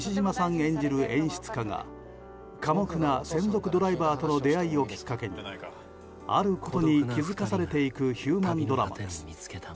演じる演出家が寡黙な専属ドライバーとの出会いをきっかけにあることに気づかされていくヒューマンドラマです。